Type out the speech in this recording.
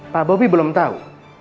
pak bobi belum tahu